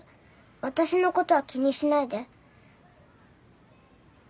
私のことは気にしないで。